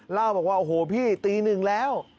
เล่าบอกว่าโอ้โหพี่ตีหนึ่งแล้ว